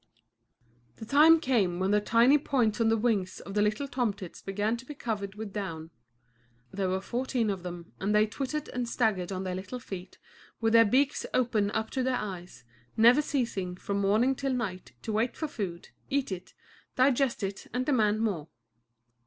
The time came when the tiny points on the wings of the little tomtits began to be covered with down. There were fourteen of them, and they twittered and staggered on their little feet, with their beaks open up to their eyes, never ceasing, from morning till night, to wait for food, eat it, digest it, and demand more.